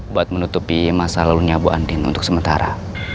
buat menutupi masalah lalunya bu andien untuk sementara